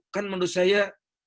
kan menurut saya